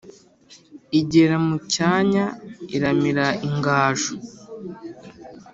igera mu cyanya iramira ingaju